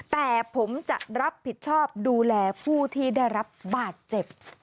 แต่ผมจะรับผิดชอบดูแลผู้ที่ได้รับบาดเจ็บ